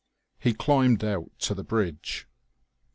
He climbed out to the bridge.